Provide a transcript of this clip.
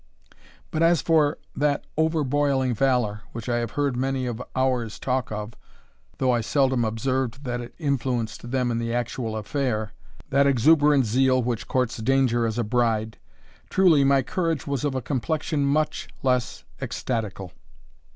But, as for that overboiling valour, which I have heard many of ours talk of, though I seldom observed that it influenced them in the actual affair that exuberant zeal, which courts Danger as a bride, truly my courage was of a complexion much less ecstatical.